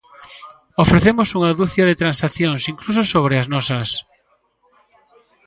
Ofrecemos unha ducia de transaccións, incluso sobre as nosas.